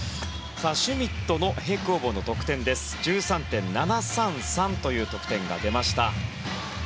シュミットの平行棒の得点です。１３．７３３という得点が出ました。